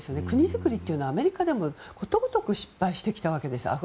国づくりというのはアメリカでもことごとく失敗してきたわけです。